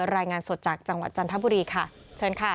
รายงานสดจากจังหวัดจันทบุรีค่ะเชิญค่ะ